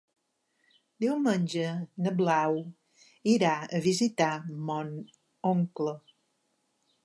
Diumenge na Blau irà a visitar mon oncle.